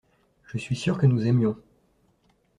Je suis sûr que nous aimions.